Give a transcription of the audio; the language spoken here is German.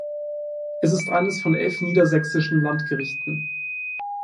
Es ist eines von elf niedersächsischen Landgerichten.